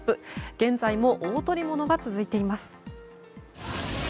現在も大捕物が続いています。